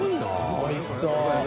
おいしそう。